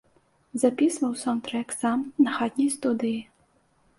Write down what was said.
Запісваў саўнд-трэк сам на хатняй студыі.